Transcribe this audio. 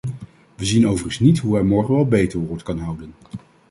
Wij zien overigens niet hoe hij morgen wel beter woord kan houden!